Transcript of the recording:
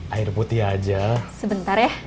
air putih aja sebentar ya